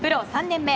３年目